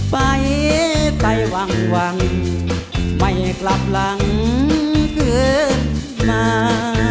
ไปไปวังวังไม่กลับหลังขึ้นมา